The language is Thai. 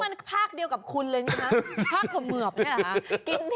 นี่มันภาคเดียวกับคุณเลยนะภาคเขมือบเนี่ย